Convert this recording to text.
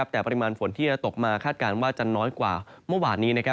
แต่ปริมาณฝนที่จะตกมาคาดการณ์ว่าจะน้อยกว่าเมื่อวานนี้